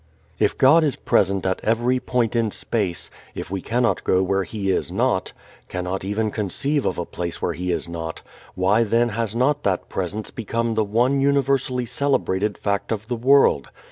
If God is present at every point in space, if we cannot go where He is not, cannot even conceive of a place where He is not, why then has not that Presence become the one universally celebrated fact of the world?